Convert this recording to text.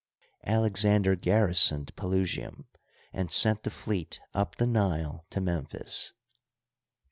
Alex ander garrisoned Pelusium and sent the fleet up the Nile to Memphis.